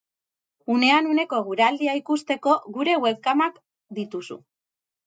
Unean uneko eguraldia ikusteko, gure webkamak dituzu.